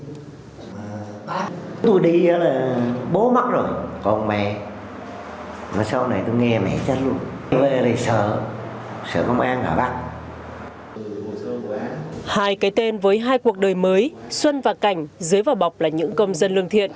hai cái tên với hai cuộc đời mới xuân và cảnh dưới vào bọc là những công dân lương thiện